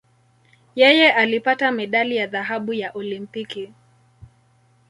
Yeye alipata medali ya dhahabu ya Olimpiki.